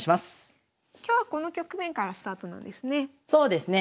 今日はこの局面からスタートなんですね。